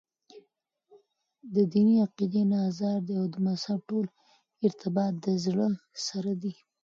دديني عقيدي نه ازاد دي او دمذهب ټول ارتباط دزړه سره دى .